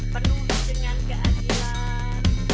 penuh dengan keadilan